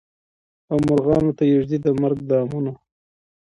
او مرغانو ته ایږدي د مرګ دامونه